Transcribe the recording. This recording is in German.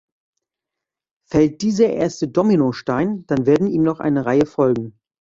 Fällt dieser erste Dominostein, dann werden ihm noch eine Reihe folgen.